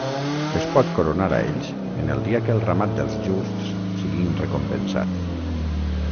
Es pot coronar a ells en el dia que el ramat dels justs siguin recompensats.